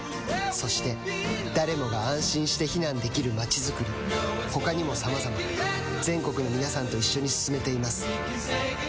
そして誰もが安心して避難できる街づくり他にもさまざま全国の皆さんと一緒に進めています